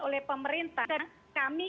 oleh pemerintah kami